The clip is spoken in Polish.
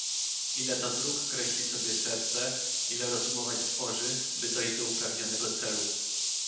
Ile to dróg kreśli sobie serce, ile rozumowań tworzy, by dojść do upragnionego celu!